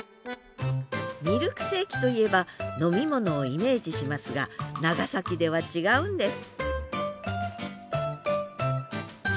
ミルクセーキといえば飲み物をイメージしますが長崎では違うんです